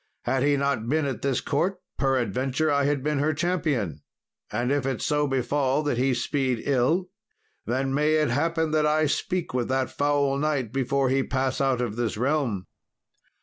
Had he not been at this court, peradventure I had been her champion. And if it so befall that he speed ill, then may it happen that I speak with that foul knight before he pass out of this realm."